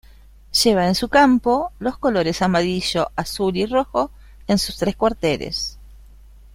Lleva en su campo los colores amarillo, azul y rojo en sus tres cuarteles.